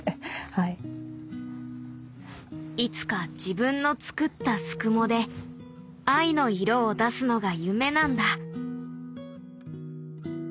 いつか自分の作ったすくもで藍の色を出すのが夢なんだ。